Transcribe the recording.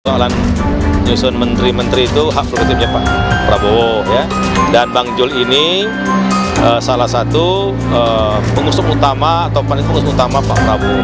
soalan nyusun menteri menteri itu hak produktifnya pak prabowo dan bang jul ini salah satu pengusung utama atau paling pengurus utama pak prabowo